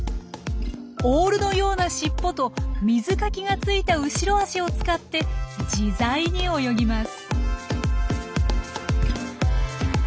オールのような尻尾と水かきがついた後ろ足を使って自在に泳ぎます。